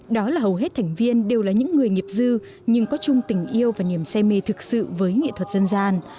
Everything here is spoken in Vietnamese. đó là hầu hết thành viên đều là những người nghiệp dư nhưng có chung tình yêu và niềm say mê thực sự với nghệ thuật dân gian